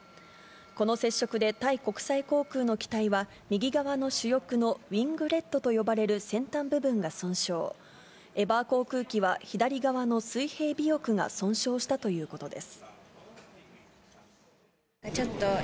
この接触で、タイ国際空港の機体は右側の主翼のウィングレットと呼ばれる先端部分が損傷、エバー航空機は左側の水平尾翼が損傷したということです。